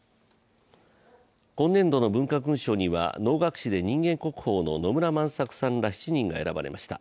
今年度の文化勲章には能楽師で人間国宝の野村万作さんら７人が選ばれました。